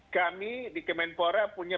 kami di kemenpora punya